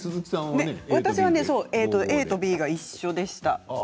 私はＡとＢが一緒でした。